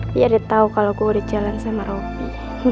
dia udah tau kalo gue udah jalan sama robby